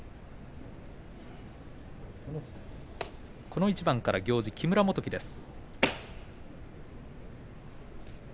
この一番から行司は木村元基です。